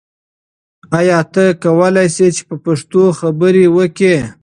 ایا ته کولای شې چې په پښتو خبرې وکړې؟